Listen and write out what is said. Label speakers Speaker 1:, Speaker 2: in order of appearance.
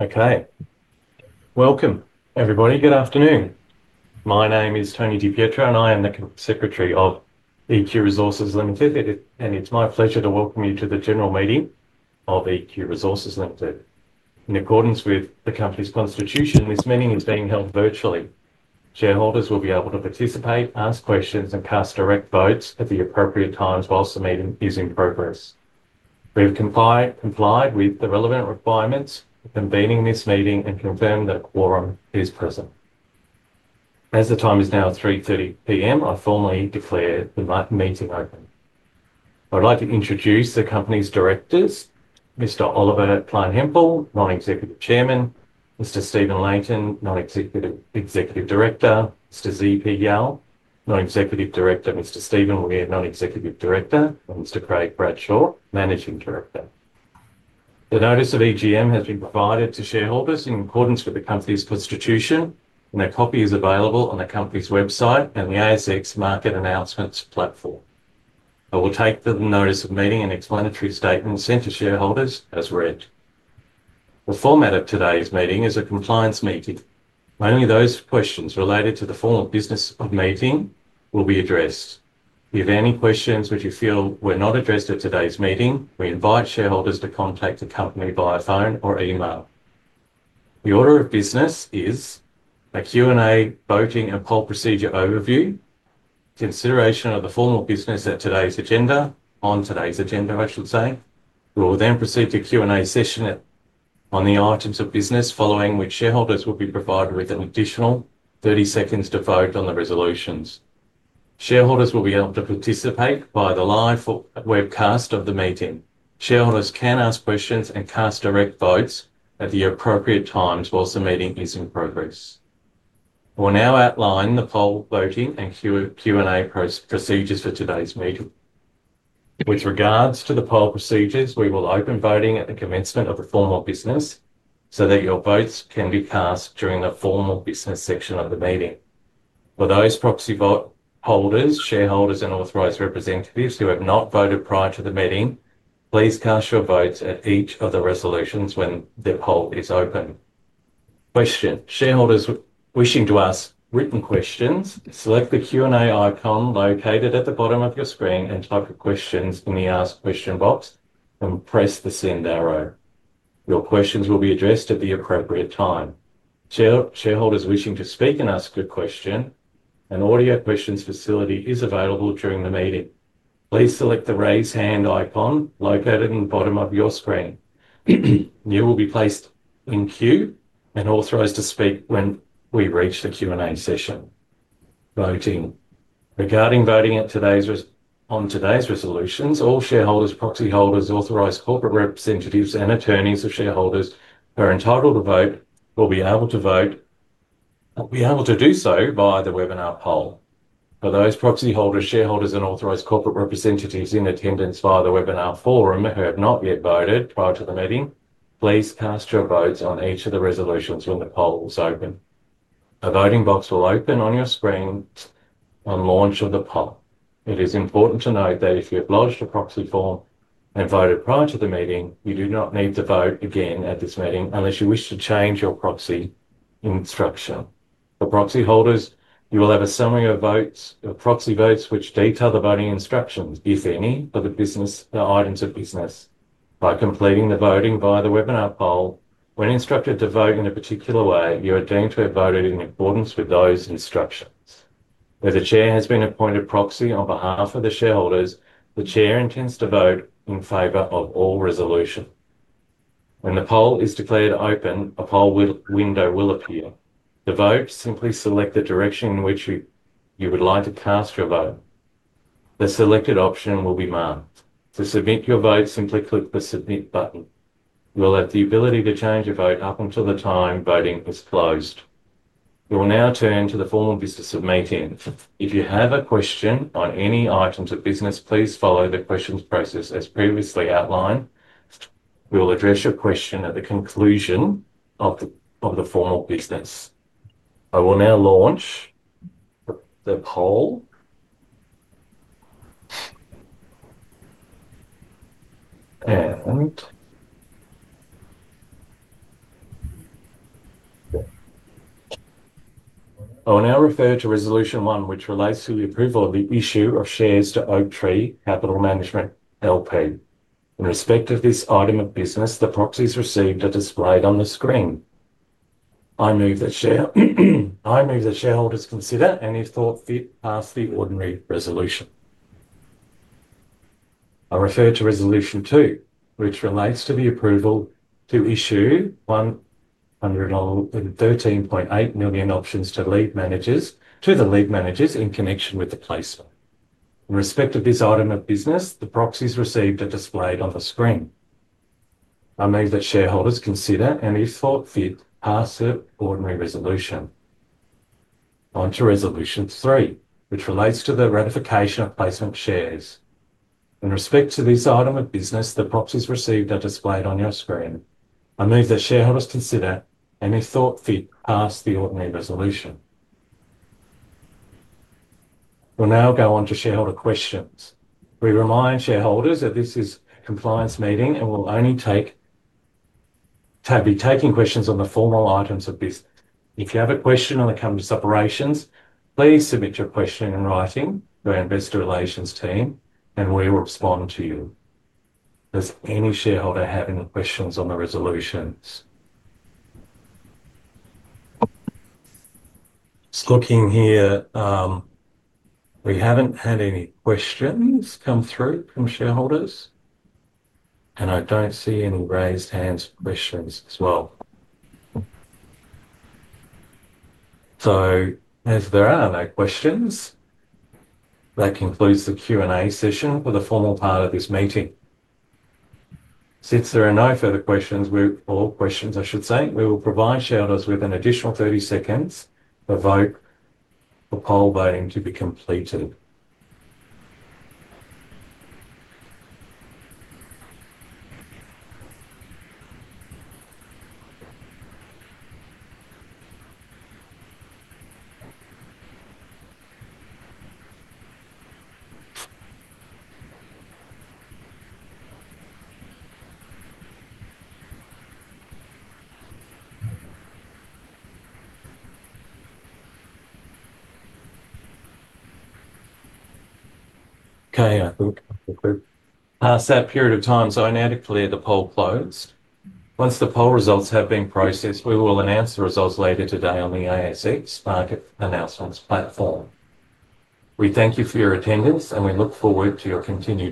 Speaker 1: Okay. Welcome, everybody. Good afternoon. My name is Tony Di Pietro, and I am the Secretary of EQ Resources Limited, and it's my pleasure to welcome you to the General Meeting of EQ Resources Limited. In accordance with the company's constitution, this meeting is being held virtually. Shareholders will be able to participate, ask questions, and cast direct votes at the appropriate times whilst the meeting is in progress. We have complied with the relevant requirements for convening this meeting and confirm that a quorum is present. As the time is now 3:30 P.M., I formally declare the meeting open. I'd like to introduce the company's directors: Mr. Oliver Kleinhempel, Non-Executive Chairman; Mr. Stephen Layton, Non-Executive Director; Mr. Zhui Pei Yeo, Non-Executive Director; Mr. Stephen Weir, Non-Executive Director; and Mr. Craig Bradshaw, Managing Director. The Notice of EGM has been provided to shareholders in accordance with the company's constitution, and a copy is available on the company's website and the ASX Market Announcements platform. I will take the Notice of Meeting and explanatory statements sent to shareholders as read. The format of today's meeting is a compliance meeting. Only those questions related to the form of business of meeting will be addressed. If any questions which you feel were not addressed at today's meeting, we invite shareholders to contact the company via phone or email. The order of business is a Q&A, voting, and poll procedure overview. Consideration of the form of business at today's agenda, on today's agenda, I should say. We will then proceed to Q&A session on the items of business, following which shareholders will be provided with an additional 30 seconds to vote on the Resolutions. Shareholders will be able to participate via the live webcast of the meeting. Shareholders can ask questions and cast direct votes at the appropriate times whilst the meeting is in progress. I will now outline the poll voting and Q&A procedures for today's meeting. With regards to the poll procedures, we will open voting at the commencement of the form of business so that your votes can be cast during the form of business section of the meeting. For those proxy holders, shareholders, and authorized representatives who have not voted prior to the meeting, please cast your votes at each of the Resolutions when the poll is open. Shareholders wishing to ask written questions, select the Q&A icon located at the bottom of your screen and type your questions in the Ask Question box and press the send arrow. Your questions will be addressed at the appropriate time. Shareholders wishing to speak and ask a question, an audio questions facility is available during the meeting. Please select the raise hand icon located at the bottom of your screen. You will be placed in queue and authorized to speak when we reach the Q&A session. Regarding voting on today's Resolutions, all shareholders, proxy holders, authorized corporate representatives, and attorneys of shareholders who are entitled to vote will be able to vote via the webinar poll. For those proxy holders, shareholders, and authorized corporate representatives in attendance via the webinar forum who have not yet voted prior to the meeting, please cast your votes on each of the Resolutions when the poll is open. A voting box will open on your screen on launch of the poll. It is important to note that if you have lodged a proxy form and voted prior to the meeting, you do not need to vote again at this meeting unless you wish to change your proxy instruction. For proxy holders, you will have a summary of proxy votes which detail the voting instructions, if any, for the items of business. By completing the voting via the webinar poll, when instructed to vote in a particular way, you are deemed to have voted in accordance with those instructions. If the Chair has been appointed proxy on behalf of the shareholders, the Chair intends to vote in favor of all Resolutions. When the poll is declared open, a poll window will appear. To vote, simply select the direction in which you would like to cast your vote. The selected option will be marked. To submit your vote, simply click the submit button. You will have the ability to change your vote up until the time voting is closed. We will now turn to the form of business of meeting. If you have a question on any items of business, please follow the questions process as previously outlined. We will address your question at the conclusion of the form of business. I will now launch the poll. I will now refer to Resolution 1, which relates to the approval of the issue of shares to Oaktree Capital Management L.P. In respect of this item of business, the proxies received are displayed on the screen. I move that. Shareholders consider any thought fit, pass the ordinary Resolution. I refer to Resolution 2, which relates to the approval to issue 113.8 million options to lead managers in connection with the placement. In respect of this item of business, the proxies received are displayed on the screen. I move that shareholders consider any thought fit, pass the ordinary Resolution. Onto Resolution 3, which relates to the ratification of placement shares. In respect to this item of business, the proxies received are displayed on your screen. I move that shareholders consider any thought fit, pass the ordinary Resolution. We'll now go on to shareholder questions. We remind shareholders that this is a compliance meeting and will only be taking questions on the formal items of business. If you have a question on the company's operations, please submit your question in writing to our investor relations team, and we will respond to you. Does any shareholder have any questions on the Resolutions? Just looking here. We haven't had any questions come through from shareholders. I don't see any raised hands questions as well. As there are no questions, that concludes the Q&A session for the formal part of this meeting. Since there are no further questions, we will provide shareholders with an additional 30 seconds for poll voting to be completed. Okay, I think that's good. Past that period of time, I need to declare the poll closed. Once the poll results have been processed, we will announce the results later today on the ASX Market Announcements platform. We thank you for your attendance, and we look forward to your continued.